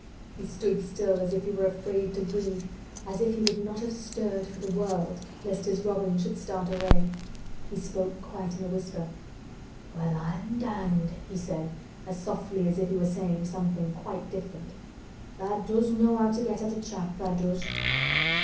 He stood still as if he were afraid to breathe—as if he would not have stirred for the world, lest his robin should start away. He spoke quite in a whisper. "Well, I'm danged!" he said as softly as if he were saying something quite different. "Tha' does know how to get at a chap—tha' does!